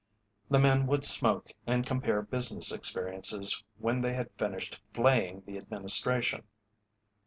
The men would smoke and compare business experiences when they had finished flaying the Administration.